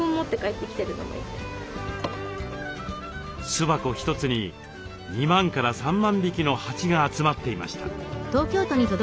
巣箱一つに２万から３万匹の蜂が集まっていました。